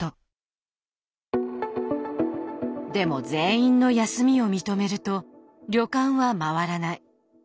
でも全員の休みを認めると旅館は回らない。